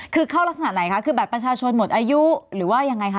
คือเข้ารักษณะไหนคะคือบัตรประชาชนหมดอายุหรือว่ายังไงคะ